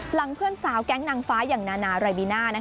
เพื่อนสาวแก๊งนางฟ้าอย่างนานารายบิน่า